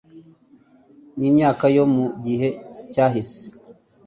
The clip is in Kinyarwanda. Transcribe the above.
n’imyaka yo mu gihe cyahise